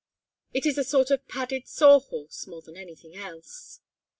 It is a sort of padded sawhorse more than anything else.